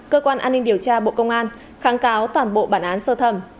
cơ quan an ninh điều tra bộ công an kháng cáo toàn bộ bản án sơ thẩm